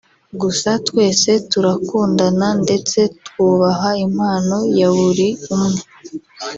Gusa twese turakundana ndetse twubaha impano yaburi umwe